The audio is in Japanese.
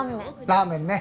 ラーメンね。